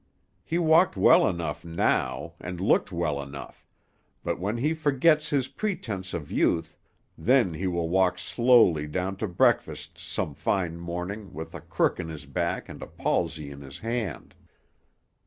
He walked well enough, now, and looked well enough; but when he forgets his pretence of youth, then he will walk slowly down to breakfast some fine morning with a crook in his back and a palsy in his hand.